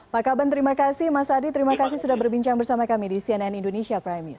pak kaban terima kasih mas adi terima kasih sudah berbincang bersama kami di cnn indonesia prime news